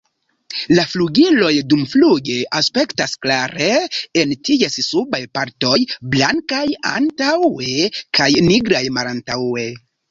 La flugiloj dumfluge aspektas klare en ties subaj partoj blankaj antaŭe kaj nigraj malantaŭe.